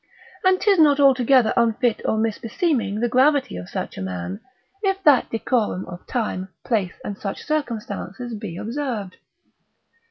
And 'tis not altogether unfit or misbeseeming the gravity of such a man, if that decorum of time, place, and such circumstances be observed.